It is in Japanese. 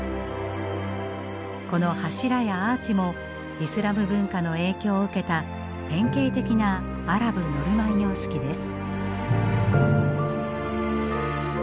この柱やアーチもイスラム文化の影響を受けた典型的なアラブ・ノルマン様式です。